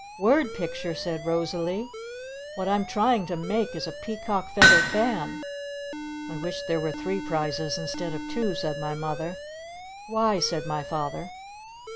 "Word picture?" said Rosalee. "What I'm trying to make is a Peacock Feather Fan!" "I wish there were three prizes instead of two!" said my Mother. "Why?" said my Father.